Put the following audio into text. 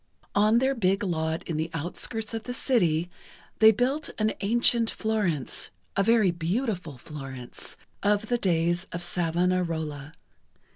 On their big lot in the outskirts of the city, they built an ancient Florence, a very beautiful Florence, of the days of Savonarola.